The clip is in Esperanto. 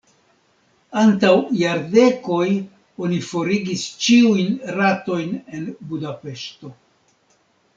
Antaŭ jardekoj oni forigis ĉiujn ratojn en Budapeŝto.